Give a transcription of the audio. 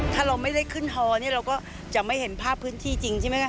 ถ้าเราไม่ได้ขึ้นฮอนี่เราก็จะไม่เห็นภาพพื้นที่จริงใช่ไหมคะ